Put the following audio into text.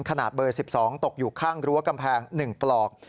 ขนาดเบอร์๑๒ตกอยู่ข้างรั้วกำแพง๑ปลอก